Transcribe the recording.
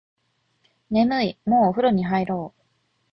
眠いもうお風呂入ろう